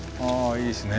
いいですね。